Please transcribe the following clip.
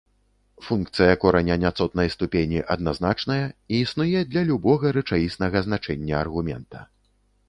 Функцыя кораня няцотнай ступені адназначная і існуе для любога рэчаіснага значэння аргумента.